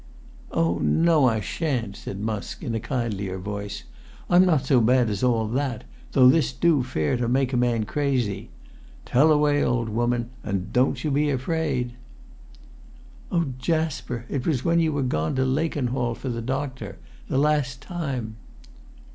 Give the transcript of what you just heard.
"Oh, no, I sha'n't," said Musk, in a kindlier voice. "I'm not so bad as all that, though this do fare to make a man crazy. Tell away, old woman, and don't you be afraid." "Oh, Jasper, it was when you were gone to Lakenhall for the doctor—that last time!"